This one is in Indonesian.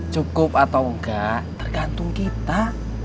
cukup atau enggak tergantung kita